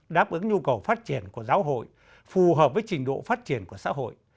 đáp ứng nhu cầu phát triển của giáo hội phù hợp với trình độ phát triển của xã hội